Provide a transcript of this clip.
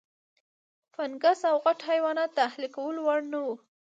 فنګس او غټ حیوانات د اهلي کولو وړ نه وو.